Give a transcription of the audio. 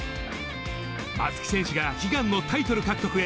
松木選手が悲願のタイトル獲得へ。